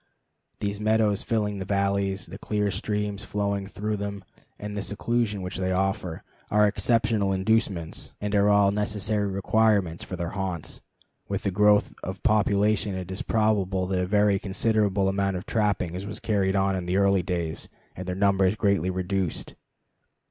The meadows filling these valleys, the clear streams flowing through them, and the seclusion which they offer, are exceptional inducements and are all necessary requirements for their haunts. With the growth of population it is probable that a very considerable amount of trapping was carried on in early days, and their numbers greatly reduced.